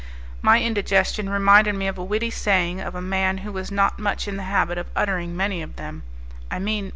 My indigestion reminded me of a witty saying of a man who was not much in the habit of uttering many of them; I mean M.